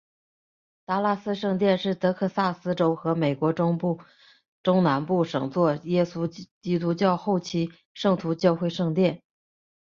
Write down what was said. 达拉斯圣殿是得克萨斯州和美国中南部首座耶稣基督后期圣徒教会圣殿。